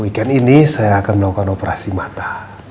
weekend ini saya akan melakukan operasi mata